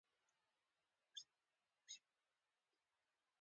بوروکراسي د وړو شرکتونو پرمختګ ورو کوي.